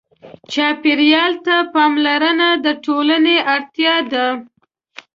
چاپېریال ته پاملرنه د ټولنې اړتیا ده.